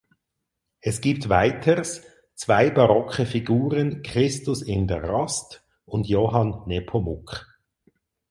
Es gibt weiters zwei barocke Figuren Christus in der Rast und Johann Nepomuk.